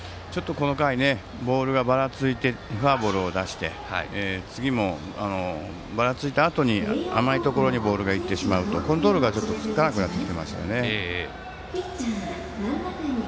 この回、ボールがばらついてフォアボールを出して次もばらついたあとに甘いところにボールが行ってしまうとコントロールがつかなくなってきていますよね。